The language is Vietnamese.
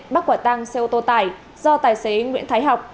bắt quả tăng xe ô tô tải do tài xế nguyễn thái học